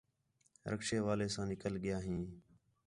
رکشے والے ساں نِکل ڳیا ہیں